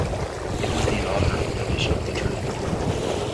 It was the inaugural edition of the tournament.